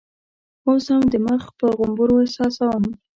اوس هم د مخ پر غومبرو احساسوم.